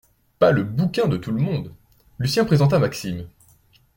Pas le bouquin de tout le monde. Lucien présenta Maxime.